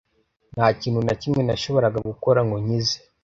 Nta kintu na kimwe nashoboraga gukora ngo nkize .